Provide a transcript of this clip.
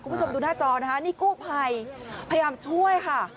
คุณผู้ชมดูหน้าจอนะคะนี่กู้ภัยพยายามช่วยค่ะ